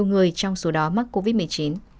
một người trong số đó mắc covid một mươi chín